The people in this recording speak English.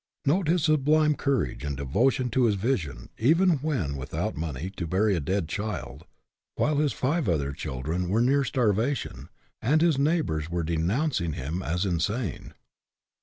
Note his sublime courage and devotion to his vision even when without money to bury a dead child ; while his five other children were near starvation, and his neighbors were de nouncing him as insane